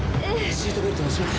シートベルトを締めて。